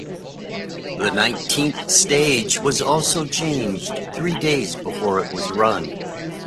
The nineteenth stage was also changed three days before it was run.